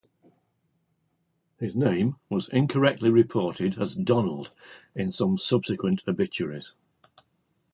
His name was incorrectly reported as "Donald" in some subsequent obituaries.